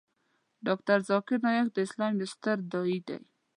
ډاکتر ذاکر نایک د اسلام یو ستر داعی دی .